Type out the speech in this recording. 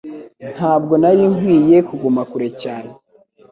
Ntabwo nari nkwiye kuguma kure cyane